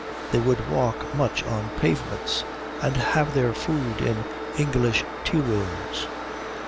They would walk much on pavements, and have their food in English tea rooms.